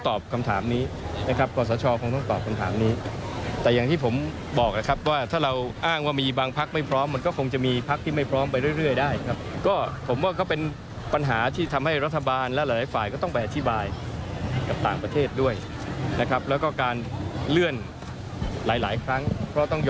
สำหรับคนภายนอกเนี่ยเค้าก็มองว่ามันเลื่อนมาหลายครั้งเนี่ย